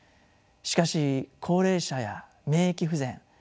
しかし高齢者や免疫不全